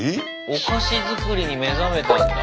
お菓子作りに目覚めたんだ。